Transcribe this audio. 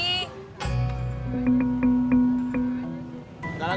bukan mimin gak mau ngajak lagi